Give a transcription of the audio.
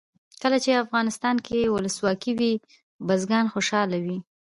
کله چې افغانستان کې ولسواکي وي بزګران خوشحاله وي.